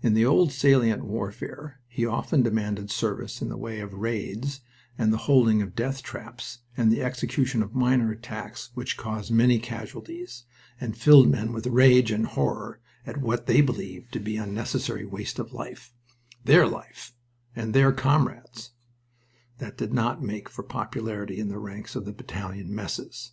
In the old salient warfare he often demanded service in the way of raids and the holding of death traps, and the execution of minor attacks which caused many casualties, and filled men with rage and horror at what they believed to be unnecessary waste of life their life, and their comrades' that did not make for popularity in the ranks of the battalion messes.